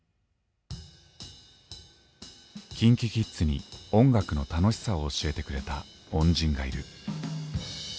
ＫｉｎＫｉＫｉｄｓに音楽の楽しさを教えてくれた恩人がいる。